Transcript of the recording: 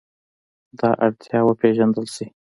دا اړتیاوې وپېژندل شي.